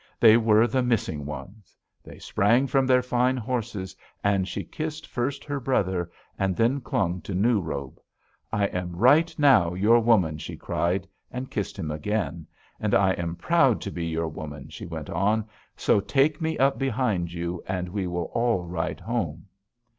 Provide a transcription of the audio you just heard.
They were the missing ones. They sprang from their fine horses, and she kissed first her brother and then clung to New Robe: 'I am right now your woman,' she cried, and kissed him again. 'And I am proud to be your woman,' she went on, 'so take me up behind you and we will all ride home!'